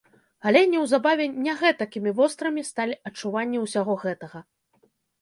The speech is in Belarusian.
Але неўзабаве не гэтакімі вострымі сталі адчуванні усяго гэтага.